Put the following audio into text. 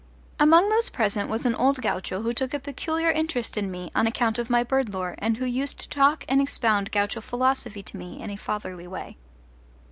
Among those present was an old gaucho who took a peculiar interest in me on account of my bird lore and who used to talk and expound gaucho philosophy to me in a fatherly way.